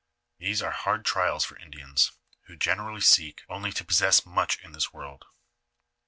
These are hard trials for Indians, who generally seek only to possess much in this world.